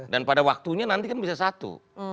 dan pada waktunya nanti kan bisa satu